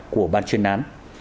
của ban chuyên án